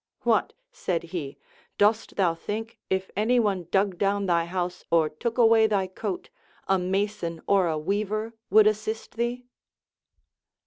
AVhat, said he, dost thou think, if any one dug down thy house or took away thy coat, a mason or a weaver would assist thee